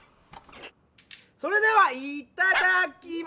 それではいっただきま。